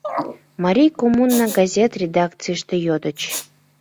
«Марий коммуна» газет редакцийыште йодыч: